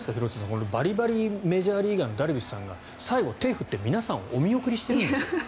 このバリバリメジャーリーガーのダルビッシュさんが最後、手を振って、皆さんをお見送りしてるんですよ。